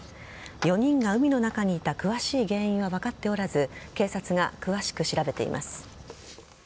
４人が海の中にいた詳しい原因は分かっておらず警察が詳しく調べています。